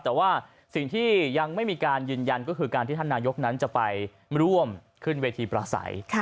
แต่ว่าสิ่งที่ยังไม่มีการยืนยันก็คือการที่ท่านนายกนั้นจะไปร่วมขึ้นเวทีประสัย